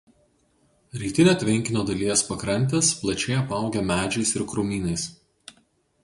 Rytinė tvenkinio dalies pakrantės plačiai apaugę medžiais ir krūmynais.